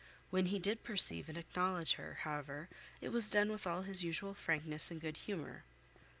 When he did perceive and acknowledge her, however, it was done with all his usual frankness and good humour.